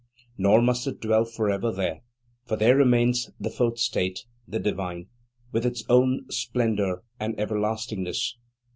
Nor must it dwell forever there, for there remains the fourth state, the divine, with its own splendour and everlastingness.